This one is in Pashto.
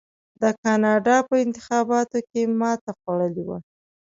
د کاناډا په انتخاباتو کې ماته خوړلې وه.